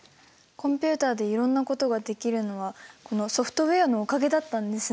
コンピュータでいろんなことができるのはこのソフトウェアのおかげだったんですね。